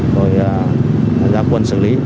rồi ra quân xử lý